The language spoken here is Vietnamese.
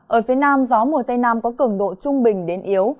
ở phía nam gió mùa tây nam có cường độ trung bình đến yếu